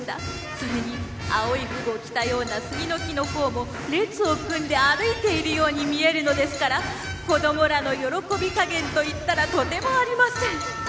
それに青い服を着たような杉の木の方も列を組んで歩いているように見えるのですから子供らの喜び加減といったらとてもありません。